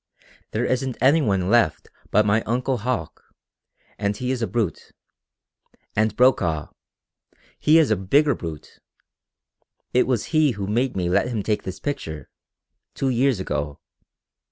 There isn't any one left but my uncle Hauck, and he is a brute. And Brokaw. He is a bigger brute. It was he who made me let him take this picture two years ago.